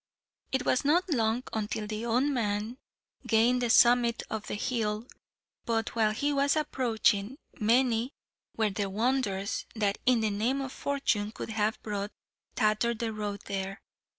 It was not long until the old man gained the summit of the hill, but while he was approaching, many were the "wonders" what in the name of fortune could have brought Tatther the Road there.